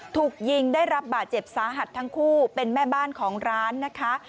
ถูกยิงได้รับบาดเจ็บสาหัสทั้งคู่เป็นแม่บ้านของร้านนะคะ